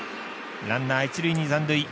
ランナー、一塁に残塁。